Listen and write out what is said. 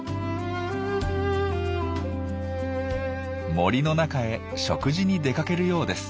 森の中へ食事に出かけるようです。